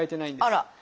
あら！